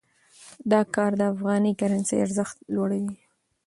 دا کار د افغاني کرنسۍ ارزښت لوړوي.